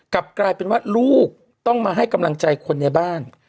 กลับกลายเป็นว่าลูกต้องมาให้กำลังใจคนในบ้าน